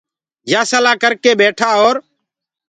يآ سلآ ڪرَ ڪي ٻيٺآ اورَ